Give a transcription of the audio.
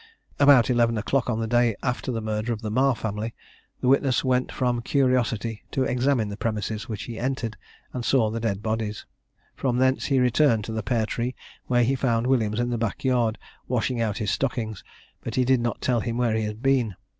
About eleven o'clock on the day after the murder of the Marr family, the witness went from curiosity to examine the premises, which he entered, and saw the dead bodies. From thence he returned to the Pear Tree, where he found Williams in the back yard, washing out his stockings, but he did not tell him where he had been.